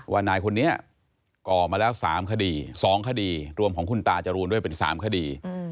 นายคนนี้ก่อมาแล้ว๓คดี๒คดีรวมของคุณตาจรูนด้วยเป็น๓คดี